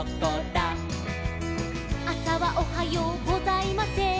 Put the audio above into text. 「あさはおはようございません」